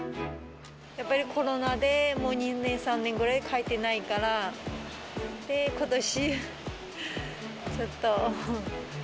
やっぱりコロナでもう２年、３年ぐらい帰ってないから、で、ことし、ちょっと。